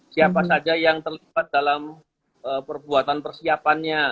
siapa saja yang terlibat dalam perbuatan persiapannya